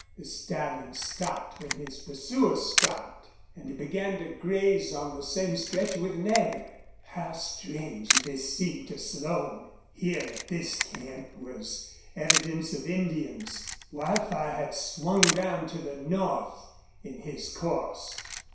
The stallion stopped when his pursuers stopped. And he began to graze on the same stretch with Nagger. How strange this seemed to Slone! Here at this camp was evidence of Indians. Wildfire had swung round to the north in his course.